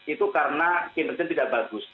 itu karena kinerja tidak bagus